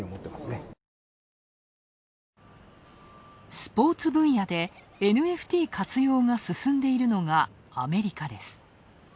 スポーツ分野でＮＦＴ活用が進んでいるのがアメリカです。